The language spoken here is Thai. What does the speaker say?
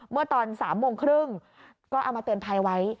เมื่อตอน๓โมงครึ่งก็เอามาเตือนภัยไว้